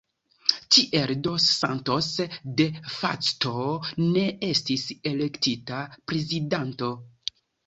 Tiel dos Santos de facto ne estis elektita prezidanto.